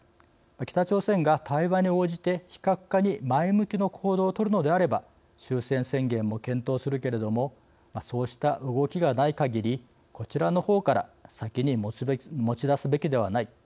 北朝鮮が対話に応じて非核化に前向きの行動を取るのであれば終戦宣言も検討するけれどもそうした動きがないかぎりこちらのほうから先に持ち出すべきではない。